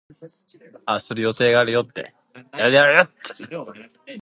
The Ladywell was fenced off in the Victorian era.